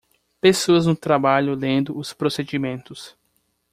Pessoas no trabalho lendo os procedimentos.